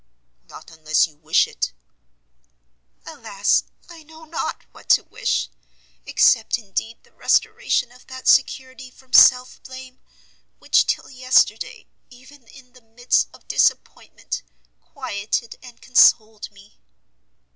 "Not unless you wish it." "Alas, I know not what to wish! except, indeed, the restoration of that security from self blame, which till yesterday, even in the midst of disappointment, quieted and consoled me."